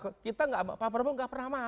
pak prabowo gak pernah marah